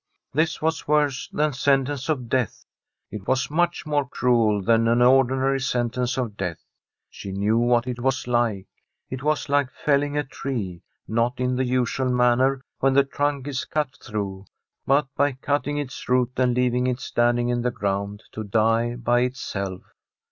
This was worse than sentence of death. It was much more cruel than an ordinary sentence of death. She knew what it was like. It was like felling a tree — not in the usual manner, when the trunk is cut through, but by cutting its roots and leaving it standing in the ground to die by itself.